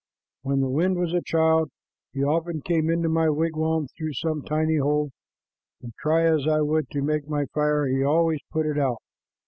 When the wind was a child, he often came into my wigwam through some tiny hole, and try as I would to make my fire, he always put it out.